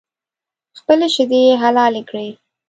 خپلې شیدې یې حلالې کړې.